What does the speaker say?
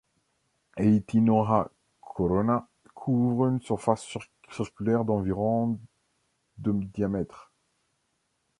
Eithinoha Corona couvre une surface circulaire d'environ de diamètre.